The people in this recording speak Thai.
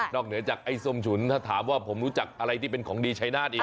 เหนือจากไอ้ส้มฉุนถ้าถามว่าผมรู้จักอะไรที่เป็นของดีชายนาฏอีก